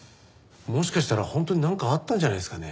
もしかしたら本当になんかあったんじゃないですかね。